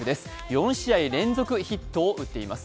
４試合連続ヒットを打っています。